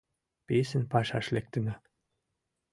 Писын пашаш лектына.